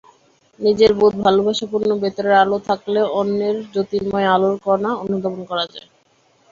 নিজের বোধ-ভালোবাসাপূর্ণ ভেতরের আলো থাকলে অন্যের জ্যোতির্ময় আলোর কণা অনুধাবন করা যায়।